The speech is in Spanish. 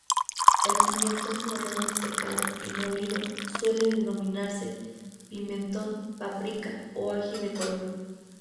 El pimiento morrón desecado y molido, suele denominarse pimentón, paprika o ají de color.